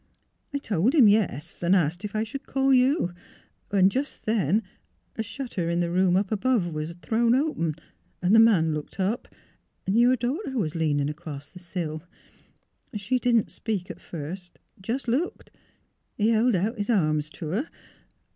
I told him yes, and asked if I should call you. Just then a shut i UNTO US A SON IS BOEN " 297 ter in the room above was thrown open ; the man looked np. Your daughter was leaning across the sill. She didn't speak at first — just looked. He held out his arms to her.